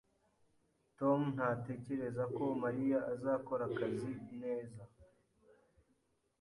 Tom ntatekereza ko Mariya azakora akazi neza